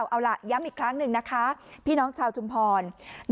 เอาล่ะย้ำอีกครั้งหนึ่งนะคะพี่น้องชาวชุมพร